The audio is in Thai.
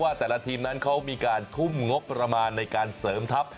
แต่ละทีมนั้นเขามีการทุ่มงบประมาณในการเสริมทัพ